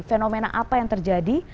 fenomena apa yang terjadi